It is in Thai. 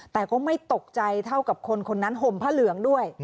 แต่ก็ไม่ตกใจเท่ากับคนคนนั้นห่มผ้าเหลืองด้วย